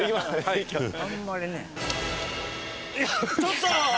ちょっと！